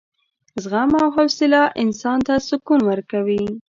زغم او حوصله انسان ته سکون ورکوي.